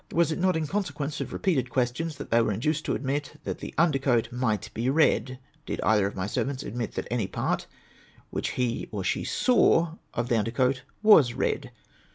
Was it not in consequence of repeated questions that they were induced to admit that the under coat might be red? Did either of my servants admit that any part which he or she SAW of the under coat was red